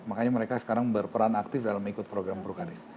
makanya mereka sekarang berperan aktif dalam ikut program vulkanis